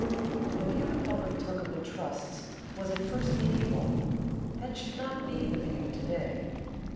The view the public took of the trusts was at first medieval. That should not be the view to day.